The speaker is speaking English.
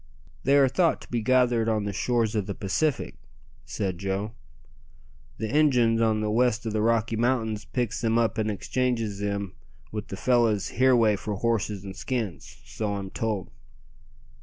"They are thought to be gathered on the shores o' the Pacific," said Joe. "The Injuns on the west o' the Rocky Mountains picks them up and exchanges them wi' the fellows hereaway for horses and skins so I'm told."